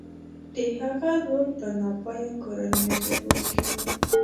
د هغه رول په ناپایه کورنیو جګړو کې و.